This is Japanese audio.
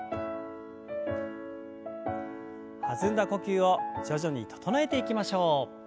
弾んだ呼吸を徐々に整えていきましょう。